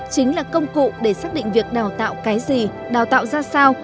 chính là công cụ để xác định việc đào tạo cái gì đào tạo ra sao